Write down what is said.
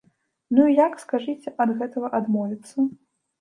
Ну і як, скажыце, ад гэтага адмовіцца?